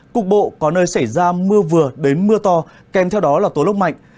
cục bộ có nơi xảy ra mưa vừa đến mưa to kèm theo đó là tố lốc mạnh